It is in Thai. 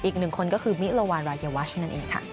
อีก๑คนก็คือมิอลวาอรรยาวัชนั่นเองค่ะ